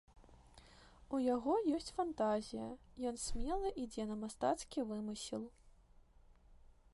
У яго ёсць фантазія, ён смела ідзе на мастацкі вымысел.